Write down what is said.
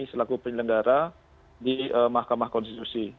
selaku penyelenggara di mahkamah konstitusi